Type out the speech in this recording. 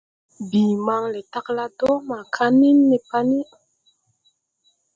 Bii man le tagla dɔɔ maa kanin ne pa ni.